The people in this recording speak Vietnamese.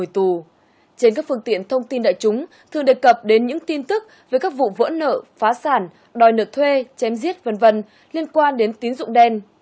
trên các phương tiện thông tin đại chúng thường đề cập đến những tin tức về các vụ vỡ nợ phá sản đòi nợ thuê chém giết v v liên quan đến tín dụng đen